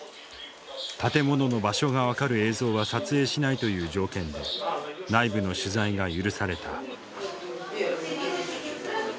建物の場所が分かる映像は撮影しないという条件で内部の取材が許された。